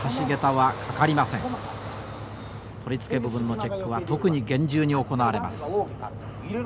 取り付け部分のチェックは特に厳重に行われます。